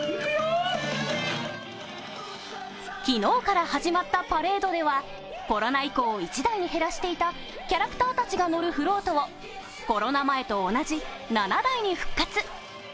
昨日から始まったパレードでは、コロナ以降１台に減らしていたキャラクターたちが乗るフロートをコロナ前と同じ７台に復活。